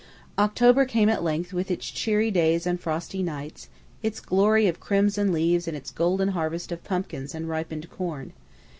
October came at length with its cheery days and frosty nights, its glory of crimson leaves and its golden harvest of pumpkins and ripened corn.